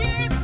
ya ampun nek